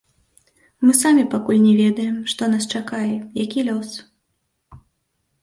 Мы самі пакуль не ведаем, што нас чакае, які лёс.